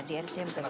iya di rcm